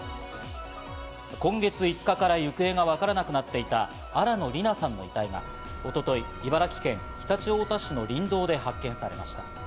今月５日から行方がわからなくなっていた、新野りなさんの遺体が一昨日、茨城県常陸太田市の林道で発見されました。